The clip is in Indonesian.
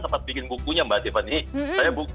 sempat bikin bukunya mbak tiffany saya